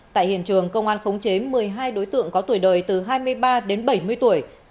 tại hiện trường công an khống chế một mươi hai đối tượng có tuổi đời từ hai mươi ba đến bảy mươi tuổi